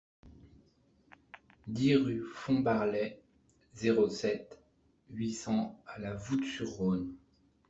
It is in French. dix rue Fombarlet, zéro sept, huit cents à La Voulte-sur-Rhône